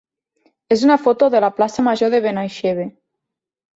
és una foto de la plaça major de Benaixeve.